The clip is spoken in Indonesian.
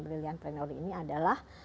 brilliant plenary ini adalah